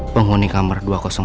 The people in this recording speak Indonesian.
penghuni kamar dua ratus dua